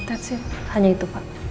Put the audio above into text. that's it hanya itu pak